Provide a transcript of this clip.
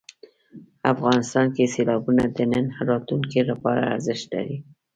افغانستان کې سیلابونه د نن او راتلونکي لپاره ارزښت لري.